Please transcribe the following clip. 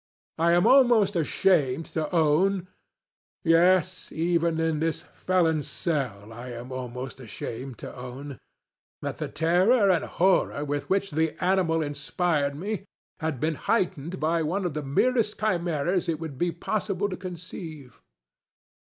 I am almost ashamed to ownŌĆöyes, even in this felonŌĆÖs cell, I am almost ashamed to ownŌĆöthat the terror and horror with which the animal inspired me, had been heightened by one of the merest chimaeras it would be possible to conceive.